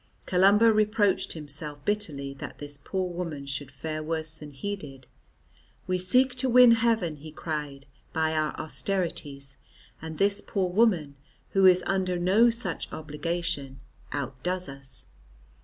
Columba reproached himself bitterly that this poor woman should fare worse than he did. "We seek to win heaven," he cried, "by our austerities, and this poor woman, who is under no such obligation, outdoes us."